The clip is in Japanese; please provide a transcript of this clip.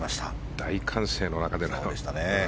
大歓声の中での優勝でしたね。